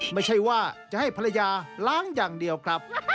ไม่ใช่ว่าจะให้ภรรยาล้างอย่างเดียวครับ